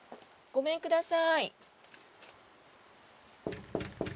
ごめんください。